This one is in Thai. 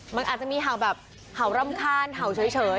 มันอาจจะมีเห่าแบบเห่าร่ำคาญเห่าเฉย